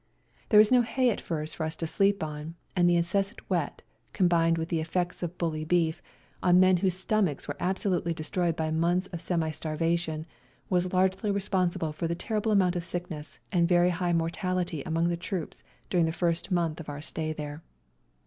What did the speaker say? There was 206 WE GO TO CORFU no hay at first for us to sleep on, and the incessant wet, combined with the effects of bully beef, on men whose stomachs were absolutely destroyed by months of semi starvation was largely responsible for the terrible amount of sickness and very high mortality among the troops during the first month of our stay there.